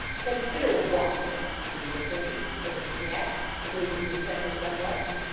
'Consider what, Sir?' said the attorney, with a snap, and losing his temper somewhat.